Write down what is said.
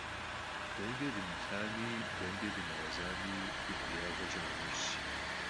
ДэнэкӀэ дымыплъэми, дэнэкӀэ дымыгъазэми, ди хъуреягъыр щӀы ӏэнэщӀщ!